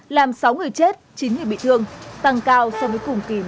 làm sống ở chỗ này